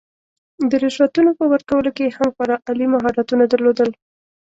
د رشوتونو په ورکولو کې یې هم خورا عالي مهارتونه درلودل.